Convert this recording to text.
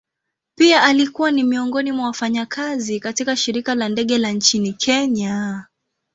Pia alikuwa ni miongoni mwa wafanyakazi katika shirika la ndege la nchini kenya.